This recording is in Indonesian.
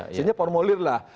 isinya formulir lah